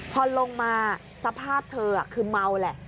พอลงมาสภาพเธอคือเมาแหละ